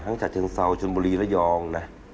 ฮังจากเฉิงเซาน์ชนบุรีไร้ยองนะ